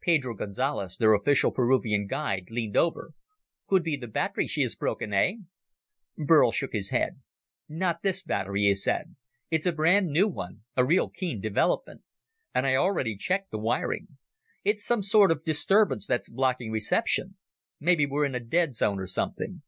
Pedro Gonzales, their official Peruvian guide, leaned over. "Could be the battery she is broken, eh?" Burl shook his head. "Not this battery," he said. "It's a brand new one, a real keen development. And I already checked the wiring. It's some sort of disturbance that's blocking reception. Maybe we're in a dead zone or something."